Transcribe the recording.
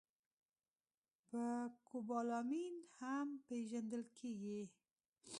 په کوبالامین هم پېژندل کېږي